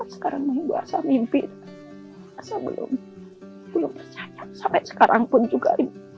sekarang saya mimpi saya belum percaya sampai sekarang pun juga